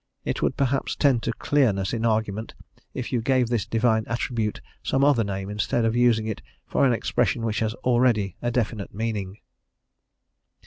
It would perhaps tend to clearness in argument if you gave this Divine attribute some other name, instead of using for it an expression which has already a definite meaning."